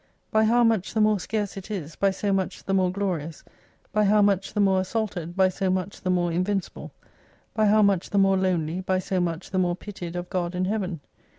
By how much the more scarce it is, by so much the more glorious, by how much the more as saulted, by so much the more invincible ; by how much the more lonely, by so much the more pitied of God and Heaven.